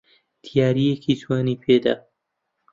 دیارییەکی جوانی پێ دا.